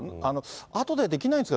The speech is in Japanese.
あとでできないんですか？